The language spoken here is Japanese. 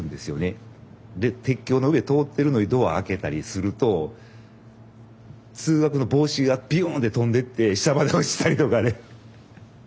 で鉄橋の上通ってるのにドア開けたりすると通学の帽子がビューンッて飛んでって下まで落ちたりとかね。